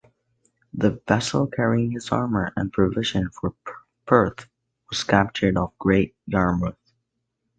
The vessel carrying his armour and provisions for Perth was captured off Great Yarmouth.